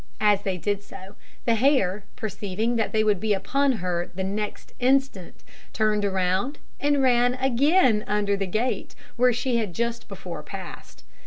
As they did so, the hare, perceiving that they would be upon her the next instant, turned round, and ran again under the gate, where she had just before passed.